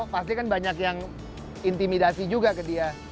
pasti kan banyak yang intimidasi juga ke dia